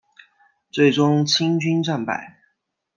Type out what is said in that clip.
最终清军战败。